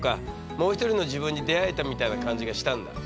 もう一人の自分に出会えたみたいな感じがしたんだ。